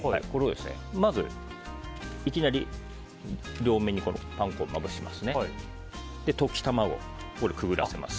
まず、いきなり両面にパン粉をまぶします。